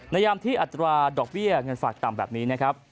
นายามที่อัตราดอกเบี้ยเงินฝากต่ำแบบนี้